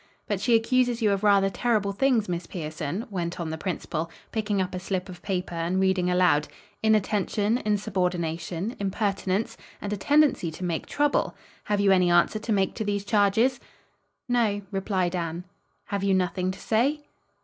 "But she accuses you of rather terrible things, Miss Pierson," went on the principal, picking up a slip of paper and reading aloud, "'inattention, insubordination, impertinence and a tendency to make trouble.' Have you any answer to make to these charges?" "No," replied Anne. "Have you nothing to say?"